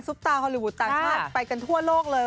สุปราฮอลลี่บุธต่างไปกันทั่วโลกเลย